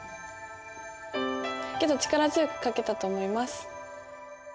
けど力強く書けたと思います。